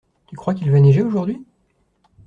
Tu crois qu'il va neiger aujourd'hui?